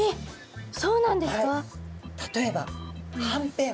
例えばはんぺん。